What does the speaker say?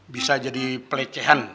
bisa jadi pelecehan